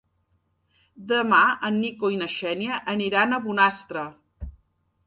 Demà en Nico i na Xènia aniran a Bonastre.